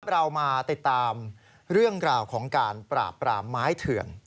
เรามาติดตามเรื่องราวของการปราบปรามไม้เถื่อน